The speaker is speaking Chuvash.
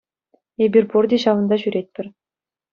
Эпир пурте ҫавӑнта ҫӳретпӗр.